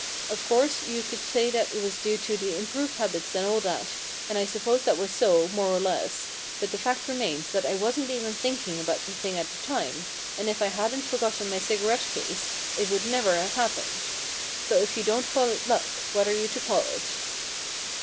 Of course, you could say that it was due to the improved habits and all that, and I suppose that was so, more or less, but the fact remains that I wasn't even thinking about the thing at the time, and if I hadn't forgotten my cigarette case it would never have happened. So if you don't call it luck, what are you to call it